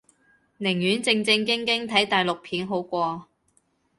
寧願正正經經睇大陸片好過